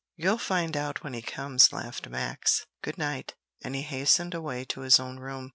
"You'll find out when he comes," laughed Max. "Good night," and he hastened away to his own room.